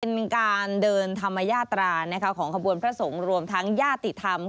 เป็นการเดินธรรมญาตราของขบวนพระสงฆ์รวมทั้งญาติธรรม